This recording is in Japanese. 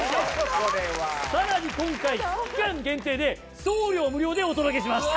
さらに今回期間限定で送料無料でお届けします。